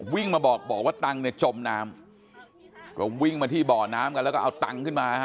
วิ่งมาบอกว่าตังจม้ำก็วิ่งมาบ่อน้ำกันเอาตังขึ้นมา